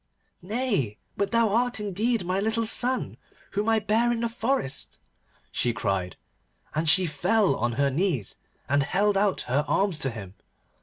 'Nay, but thou art indeed my little son, whom I bare in the forest,' she cried, and she fell on her knees, and held out her arms to him.